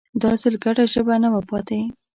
دا ځل ګډه ژبه نه وه پاتې